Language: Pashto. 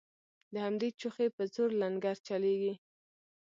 د همدې چوخې په زور لنګرچلیږي